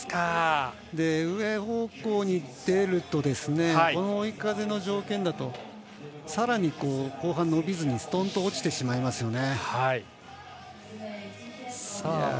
上方向に出るとこの追い風の条件だとさらに後半伸びずにすとんと落ちてしまいますよね。